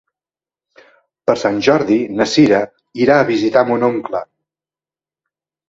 Per Sant Jordi na Cira irà a visitar mon oncle.